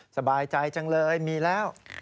สบายใจจังเลยมีแล้ว